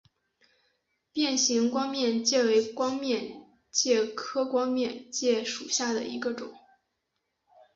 变形光面介为光面介科光面介属下的一个种。